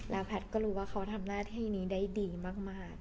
แล้วแพทย์ก็รู้ว่าเขาทำหน้าที่นี้ได้ดีมาก